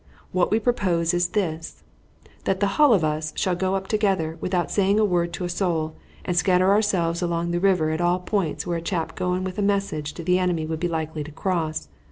What we propose is this, that the hull of us shall go up together, without saying a word to a soul, and scatter ourselves along the river at all the points where a chap going with a message to the enemy would be likely to cross.